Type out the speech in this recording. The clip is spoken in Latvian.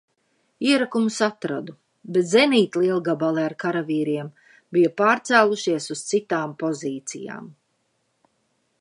Ierakumus atradu, bet zenītlielgabali ar karavīriem bija pārcēlušies uz citām pozīcijām.